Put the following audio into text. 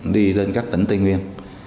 đi lên các tỉnh tây nguyên